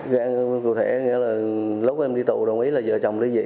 rồi cụ thể nghĩa là lúc em đi tù đồng ý là vợ chồng lý dị